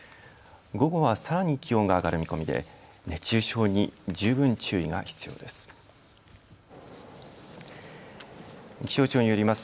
午後はさらに気温が上がる見込みで熱中症に十分注意が必要です。